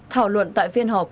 thảo luận tại phiên họp